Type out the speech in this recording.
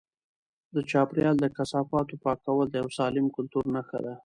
د چاپیریال د کثافاتو پاکول د یو سالم کلتور نښه ده.